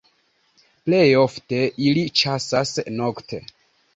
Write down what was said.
Plej ofte ili ĉasas nokte.